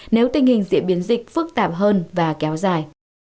nếu tình hình diễn biến dịch phức tạp hơn và kéo dài